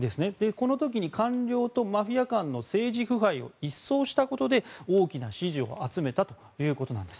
この時に官僚とマフィア間の政治腐敗を一掃したことで、大きな支持を集めたということです。